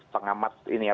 pengamat ini ya